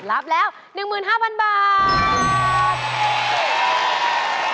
รับแล้ว๑๕๐๐๐บาท